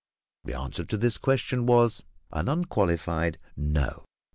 The answer to this question was an unqualified "No!"